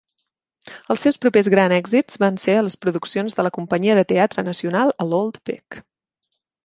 Els seus propers grans èxits van ser a les produccions del la Companyia de Teatre Nacional a l'Old Vic.